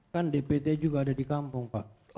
kan dpt juga ada di kampung pak